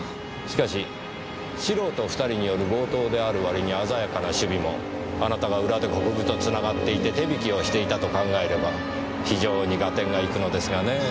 しかし素人２人による強盗である割にあざやかな首尾もあなたが裏で国分と繋がっていて手引きをしていたと考えれば非常に合点がいくのですがねぇ。